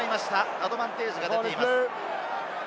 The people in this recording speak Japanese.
アドバンテージが出ています。